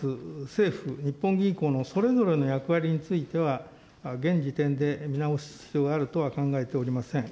政府、日本銀行のそれぞれの役割については、現時点で見直す必要があるとは考えておりません。